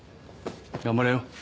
頑張れよ。